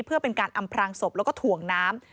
เพื่อเป็นการอำพรางศพแล้วก็ถ่วงน้ำ